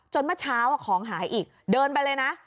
เมื่อเช้าของหายอีกเดินไปเลยนะ